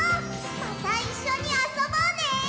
またいっしょにあそぼうね！